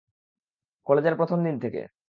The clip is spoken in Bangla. কলেজের প্রথম দিন থেকে।